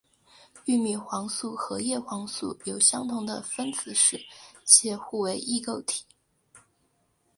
玉米黄素和叶黄素有相同的分子式且互为异构体。